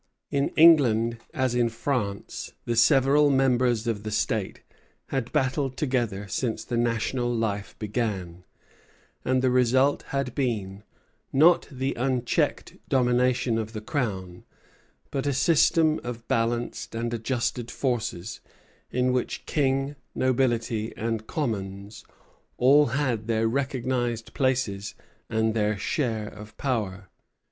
In England as in France the several members of the State had battled together since the national life began, and the result had been, not the unchecked domination of the Crown, but a system of balanced and adjusted forces, in which King, Nobility, and Commons all had their recognized places and their share of power.